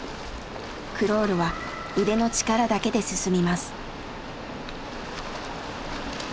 クロールは腕の力だけで進みます。